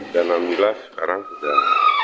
dan alhamdulillah sekarang sudah